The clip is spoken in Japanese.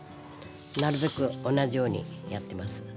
なるべく同じようにやってます。